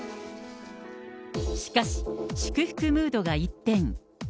しかし、祝福ムードが一転。